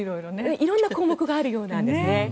色んな項目があるようなんですね。